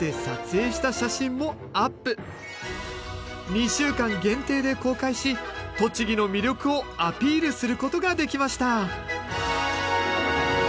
２週間限定で公開し栃木の魅力をアピールすることができました。